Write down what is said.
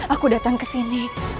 aku datang ke sini